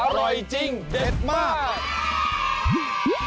อร่อยจริงเด็ดมาก